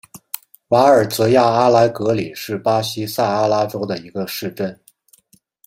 瓦尔泽亚阿莱格里是巴西塞阿拉州的一个市镇。